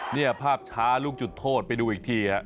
นี่ภาพช้าลูกจุดโทษไปดูอีกที